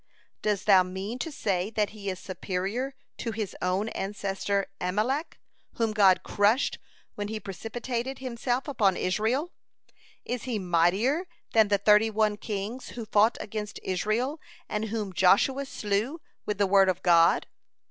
Dost though mean to say that he is superior to his own ancestor Amalek, whom God crushed when he precipitated himself upon Israel? Is he mightier than the thirty one kings who fought against Israel and whom Joshua slew 'with the word of God'?